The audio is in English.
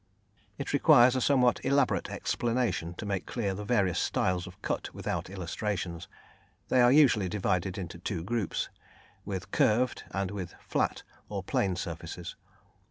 It requires a somewhat elaborate explanation to make clear the various styles of cut without illustrations. They are usually divided into two groups, with curved, and with flat or plane surfaces.